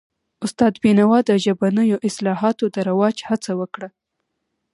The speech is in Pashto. استاد بینوا د ژبنیو اصطلاحاتو د رواج هڅه وکړه.